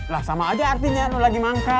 lah sama aja artinya lu lagi manggal